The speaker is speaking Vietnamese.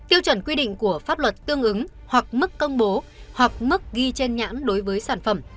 tiêu chuẩn quy định của pháp luật tương ứng hoặc mức công bố hoặc mức ghi trên nhãn đối với sản phẩm